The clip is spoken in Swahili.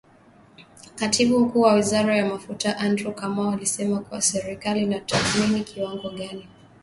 Katibu Mkuu wa Wizara ya Mafuta Andrew Kamau alisema kuwa serikali inatathmini kiwango gani kinadaiwa na mchakato huo unaweza kuchukua zaidi ya mwezi mmoja.